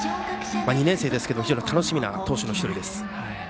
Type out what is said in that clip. ２年生ですけど非常に楽しみな投手の１人です。